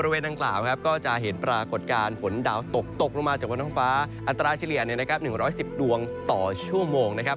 ว่าเจาะวันท้องฟ้าอันตราเฉลี่ย๑๑๐ดวงต่อชั่วโมงนะครับ